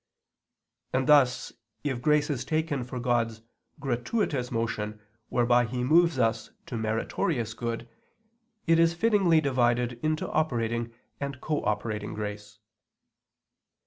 And thus if grace is taken for God's gratuitous motion whereby He moves us to meritorious good, it is fittingly divided into operating and cooperating grace.